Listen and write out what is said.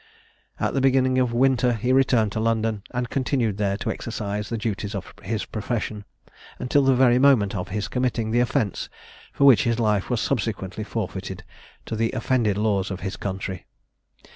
At the beginning of winter he returned to London, and continued there to exercise the duties of his profession until the very moment of his committing the offence for which his life was subsequently forfeited to the offended laws of his country.